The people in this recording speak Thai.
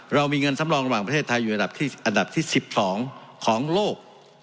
เรามีเงินสำรองระหว่างประเทศไทยอยู่อันดับที่๑๒ของโลก